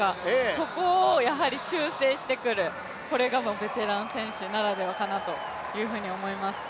そこを修正してくる、これがベテラン選手ならではかなと思います。